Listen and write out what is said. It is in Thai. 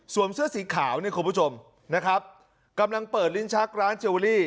เสื้อสีขาวเนี่ยคุณผู้ชมนะครับกำลังเปิดลิ้นชักร้านเจเวอรี่